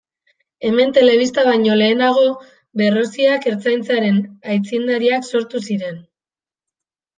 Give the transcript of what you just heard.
Hemen telebista baino lehenago Berroziak Ertzaintzaren aitzindariak sortu ziren.